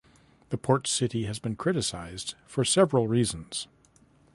The port city has been criticised for several reasons.